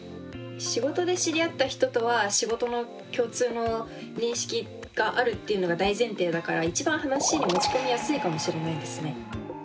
仕事で知り合った人とは仕事の共通の認識があるっていうのが大前提だから一番話に持ち込みやすいかもしれないですね。